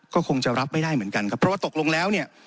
ก็คงจะรับไม่ได้เหมือนกันครับเพราะว่าตกลงแล้วเนี่ย